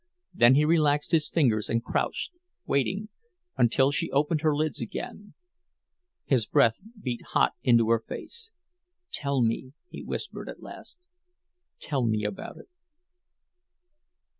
Then he relaxed his fingers, and crouched, waiting, until she opened her lids again. His breath beat hot into her face. "Tell me," he whispered, at last, "tell me about it."